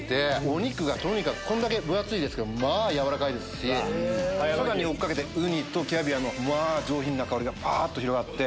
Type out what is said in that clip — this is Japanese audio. お肉がこんだけ分厚いけどまぁ軟らかいですしさらに追っ掛けてウニとキャビアの上品な香りがばっと広がって。